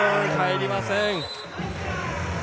返りません。